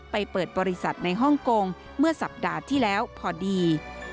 เปิดบริษัทในฮ่องกงเมื่อสัปดาห์ที่แล้วพอดี